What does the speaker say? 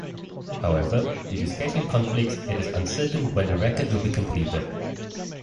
However, due to scheduling conflicts it is uncertain when the record will be completed.